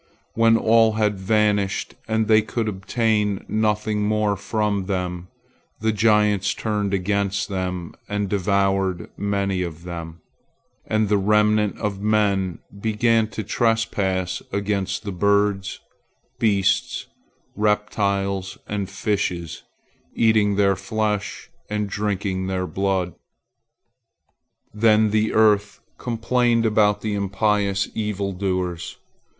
When all had vanished, and they could obtain nothing more from them, the giants turned against men and devoured many of them, and the remnant of men began to trespass against the birds, beasts, reptiles, and fishes, eating their flesh and drinking their blood. Then the earth complained about the impious evil doers.